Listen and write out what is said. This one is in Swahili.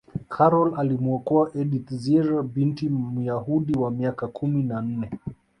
karol alimuokoa edith zierer binti muyahudi wa miaka kumi na nne